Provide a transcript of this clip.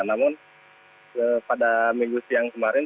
namun pada minggu siang kemarin